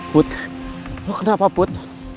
put lo kenapa put